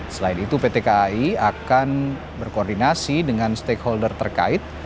selain itu pt kai akan berkoordinasi dengan stakeholder terkait